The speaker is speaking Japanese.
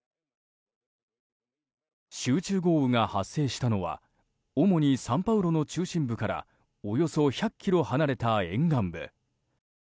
集中豪雨が発生したのは主にサンパウロの中心部からおよそ１００ｋｍ離れた沿岸部。